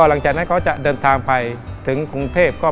หลังจากนั้นเขาจะเดินทางไปถึงกรุงเทพ